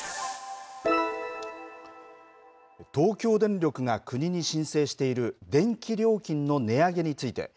東京電力が国に申請している電気料金の値上げについて。